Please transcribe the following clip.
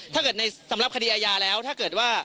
ถ้าเกิดในสำหรับคดีอาญาแล้วถ้าเกิดว่า